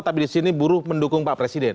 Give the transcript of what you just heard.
tapi di sini buruh mendukung pak presiden